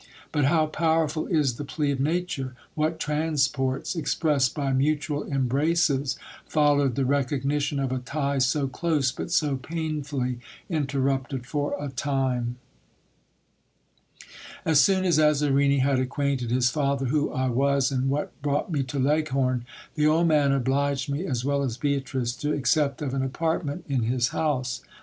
But how powerful is the plea of nature !" What transports, expressed by mutual embraces, followed the recognition of a tie so close, but so painfully interrupted for a time ! As soon as Azarini had acquainted his father who I was, and what brought me to Leghorn, the old man obliged me, as well as Beatrice, to accept of an apartment in his house.